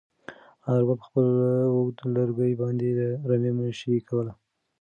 انارګل په خپل اوږد لرګي باندې د رمې مشري کوله.